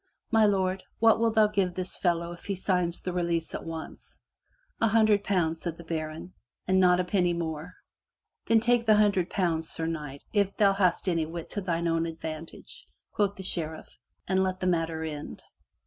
My lord, what wilt thou give this fellow if he signs the release at once?*' 66 FROM THE TOWER WINDOW "A hundred pound," said the baron, and not a penny more." "Take then the hundred pounds, Sir Knight, if thou hast any wits to thine own advantage," quoth the Sheriff, "and let the matter end."